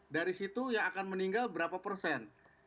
dari situ yang akan meninggal berapa persen